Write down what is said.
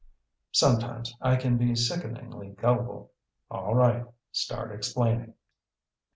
Sometimes I can be sickeningly gullible. "All right. Start explaining."